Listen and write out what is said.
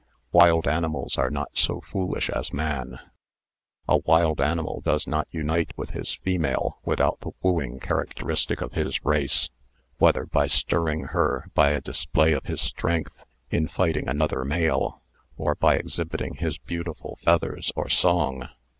Wild animals are not so foolish as man; a ,wild animal does not unite with his female without the wooing characteristic of his race, whether by stirring her by a display of his strength in fighting another male, or by exhibiting his beautiful feathers or song.